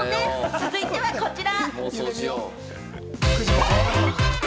続いてはこちら。